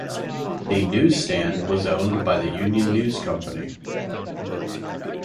The newsstand was owned by the Union News Company.